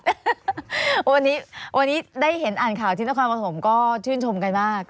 วันนี้วันนี้ได้เห็นอ่านข่าวที่นครปฐมก็ชื่นชมกันมาก